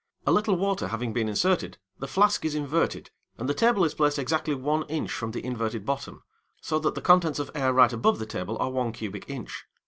A little water having been inserted, the flask is inverted, and the table is placed exactly 1 inch from the inverted bottom, so that the contents of air right above the table are 1 cubic inch.